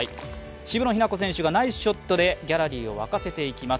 渋野日向子選手がナイスショットでギャラリーを沸かせていきます。